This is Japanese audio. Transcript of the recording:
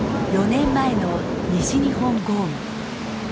４年前の西日本豪雨。